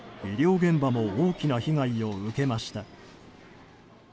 医療現場も大きな被害を受けました。